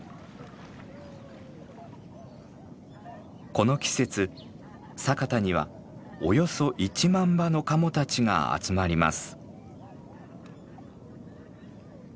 この季節佐潟にはおよそ１万羽のカモたちが集まります。